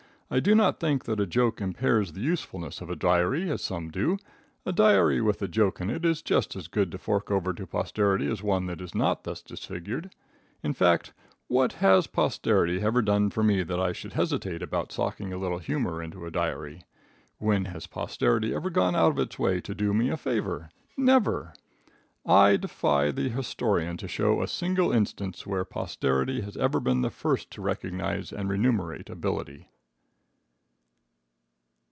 I do not think that a joke impairs the usefulness of a diary, as some do. A diary with a joke in it is just as good to fork over to posterity as one that is not thus disfigured. In fact, what has posterity ever done for me that I should hesitate about socking a little humor into a diary? When has posterity ever gone out of its way to do me a favor? Never! I defy the historian to show a single instance where posterity has ever been the first to recognize and remunerate ability.